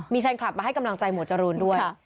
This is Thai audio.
มีแฟนคลับมาให้กำลังใจหมวดจรูนด้วย